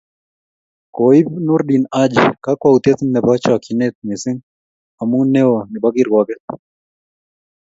Koib Noordin Haji kakwautiet nebo chokchinet missing amu neo nebo kirwoket